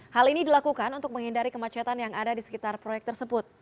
hal ini dilakukan untuk menghindari kemacetan yang ada di sekitar proyek tersebut